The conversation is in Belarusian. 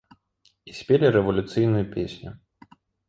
І спелі рэвалюцыйную песню.